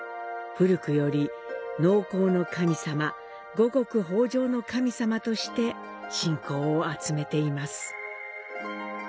古くより農耕の神さま、五穀豊穣の神さまとして信仰を集めています。